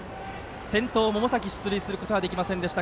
先頭、百崎は出塁することはできませんでした。